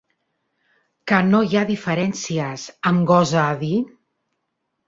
Que no hi ha diferencies, em gosa a dir?